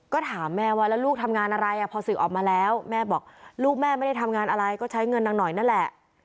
ก็ถามแม่ว่าแล้วลูกทำงานอะไรพอศึกออกมาแล้วแม่บอกลูกแม่ไม่ได้ทำงานอะไรก็ใช้เงินนางหน่อยนั่นแหละ